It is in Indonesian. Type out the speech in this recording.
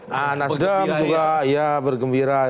nah nasdem juga ya bergembira